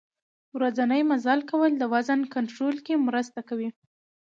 ورځنی مزل کول د وزن کنترول کې مرسته کوي.